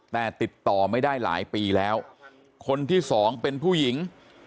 แต่ติดต่อไม่ได้หลายปีแล้วคนที่สองเป็นผู้หญิง